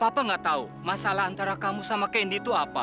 papa gak tau masalah antara kamu sama candy itu apa